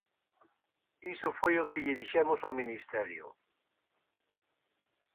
Iso foi o que lle dixemos ao Ministerio.